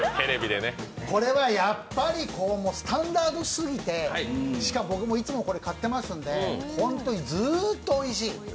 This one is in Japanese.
これはやっぱりスタンダードすぎて、しかもこれ僕いつも買ってますので、ホントにずーーっとおいしい。